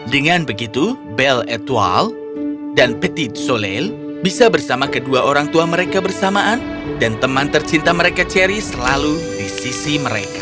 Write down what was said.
dengan begitu bell edwal dan petit solel bisa bersama kedua orang tua mereka bersamaan dan teman tercinta mereka cherry selalu di sisi mereka